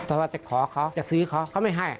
แต่ว่าจะขอเขาจะซื้อเขาเขาไม่ให้